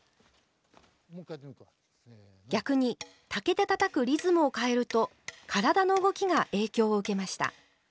逆に竹でたたくリズムを変えると体の動きが影響を受けました。